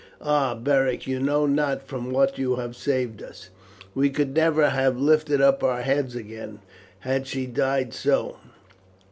Ah, Beric you know not from what you have saved us! We could never have lifted up our heads again had she died so.